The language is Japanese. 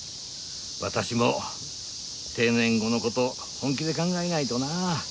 私も定年後の事本気で考えないとな。